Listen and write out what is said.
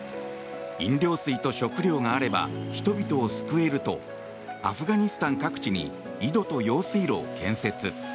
飲料水と食料があれば人々を救えるとアフガニスタン各地に井戸と用水路を建設。